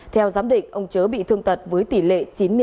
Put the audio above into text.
theo giám định ông chớ bị thương tật với tỷ lệ chín mươi năm